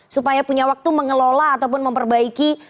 supaya punya waktu mengelola ataupun memperbaiki